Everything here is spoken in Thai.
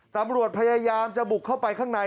ตำรวจพยายามจะบุกเข้าไปข้างใน